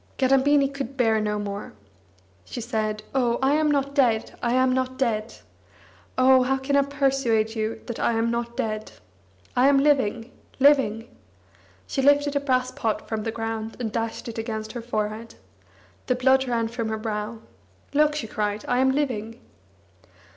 Kadambini could bear no more. She said: "Oh, I am not dead, I am not dead. Oh, how can I persuade you that I am not dead? I am living, living!" She lifted a brass pot from the ground and dashed it against her forehead. The blood ran from her brow. "Look!" she cried, "I am living!"